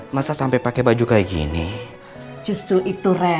masa sampe pake baju kayak gini